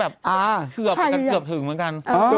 คือคนถูกพูดน้าแบบเกือบถึงเหมือนกัน